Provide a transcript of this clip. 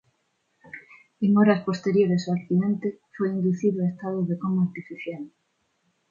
En horas posteriores ao accidente foi inducido a estado de coma artificial.